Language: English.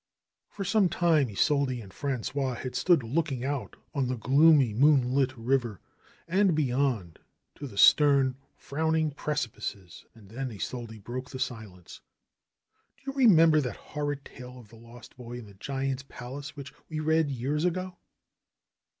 For some time Isolde and Frangois had stood looking out on the gloomy, moonlit river and beyond to the stern, frowning precipices, and then Isolde broke the silence. ^^Do you remember that horrid tale of the lost boy in the giant's palace which we read years ago